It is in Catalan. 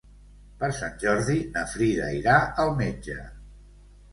Per Sant Jordi na Frida irà al metge.